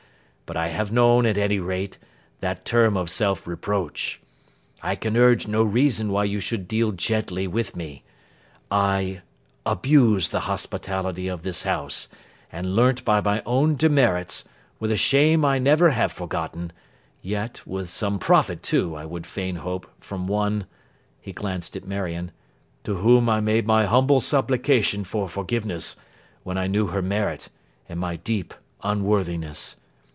But I have known, at any rate, that term of self reproach. I can urge no reason why you should deal gently with me. I abused the hospitality of this house; and learnt by my own demerits, with a shame I never have forgotten, yet with some profit too, I would fain hope, from one,' he glanced at Marion, 'to whom I made my humble supplication for forgiveness, when I knew her merit and my deep unworthiness.